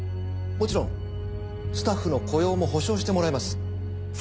もちろんスタッフの雇用も保障してもらいます。